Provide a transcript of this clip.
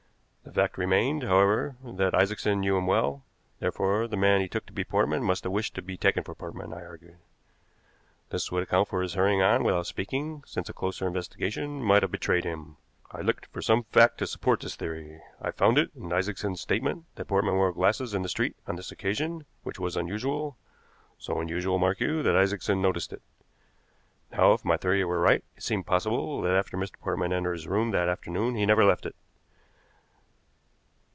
The fact remained, however, that Isaacson knew him well, therefore the man he took to be Portman must have wished to be taken for Portman, I argued. This would account for his hurrying on without speaking, since a closer investigation might have betrayed him. I looked for some fact to support this theory. I found it in Isaacson's statement that Portman wore glasses in the street on this occasion, which was unusual, so unusual, mark you, that Isaacson noticed it. Now, if my theory were right, it seemed possible that after Mr. Portman entered his room that afternoon he never left it.